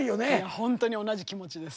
ホントに同じ気持ちです